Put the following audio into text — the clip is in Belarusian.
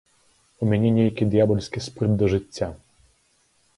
У мяне нейкі д'ябальскі спрыт да жыцця.